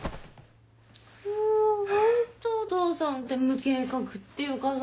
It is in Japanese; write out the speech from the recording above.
もうホントお父さんって無計画っていうかさ